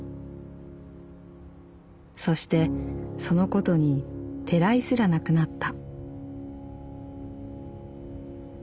「そしてそのことにてらいすらなくなった」。